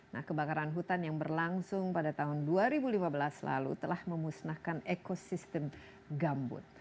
nah kebakaran hutan yang berlangsung pada tahun dua ribu lima belas lalu telah memusnahkan ekosistem gambut